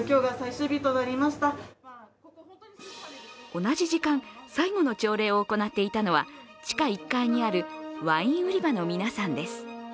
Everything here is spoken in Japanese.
同じ時間、最後の朝礼を行っていたのは地下１階にあるワイン売り場の皆さんです。